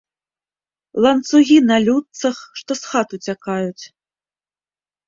Ланцугі на людцах, што з хат уцякаюць.